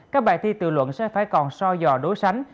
các bài thi tự luận sẽ phải còn so dò đối sánh